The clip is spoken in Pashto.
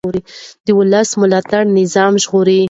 د ولس ملاتړ نظام ژغوري